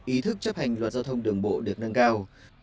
ý thức chấp hành luật giao thông đường bộ được nâng cao